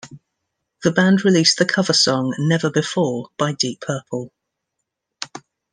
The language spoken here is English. The band released the cover song "Never Before" by Deep Purple.